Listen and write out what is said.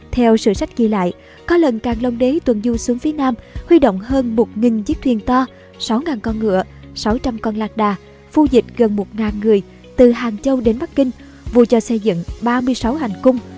theo sử sách ghi lại có lần càng long đế tuần du xuống phía nam huy động hơn một chiếc thuyền to sáu con ngựa sáu trăm linh con lạc đà phu dịch gần một người từ hàng châu đến bắc kinh vừa cho xây dựng ba mươi sáu hành cung